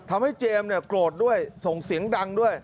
ทำให้เจมส์เนี่ยโกรธด้วยส่งเสียงดังด้วย